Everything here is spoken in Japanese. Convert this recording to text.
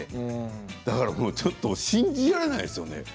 だからちょっと信じられないですよね。